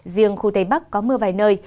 riêng khu tây bắc có mưa vài nơi